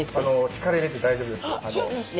力入れて大丈夫です。